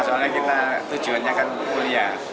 soalnya kita tujuannya kan kuliah